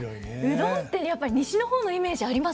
うどんってやっぱり西の方のイメージあります。